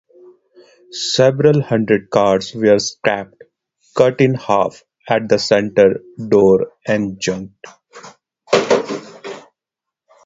Several hundred cars were scrapped, cut in half at the center door and junked.